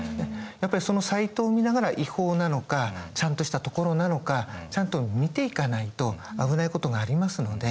やっぱりそのサイトを見ながら違法なのかちゃんとしたところなのかちゃんと見ていかないと危ないことがありますので。